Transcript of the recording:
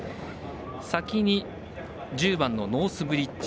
先に１０番のノースブリッジ。